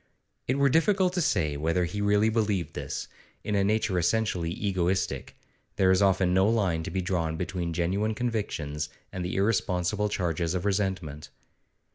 It were difficult to say whether he really believed this; in a nature essentially egoistic, there is often no line to be drawn between genuine convictions and the irresponsible charges of resentment.